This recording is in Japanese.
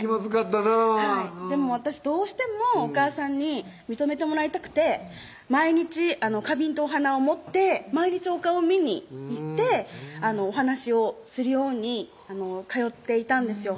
気まずかったなぁでも私どうしてもおかあさんに認めてもらいたくて毎日花瓶とお花を持って毎日お顔を見に行ってお話をするように通っていたんですよ